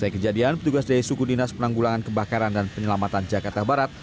setelah kejadian petugas dari suku dinas penanggulangan kebakaran dan penyelamatan jakarta barat